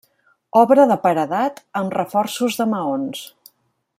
Obra de paredat, amb reforços de maons.